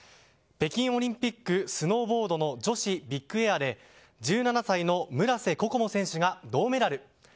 北京オリンピックスノーボードの女子ビッグエアで１７歳の村瀬心椛選手が銅メダル。